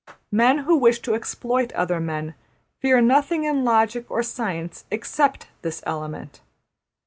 Men who wish to exploit other men fear nothing in logic or science except this element.